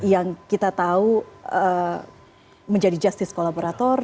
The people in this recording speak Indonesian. yang kita tahu menjadi justice kolaborator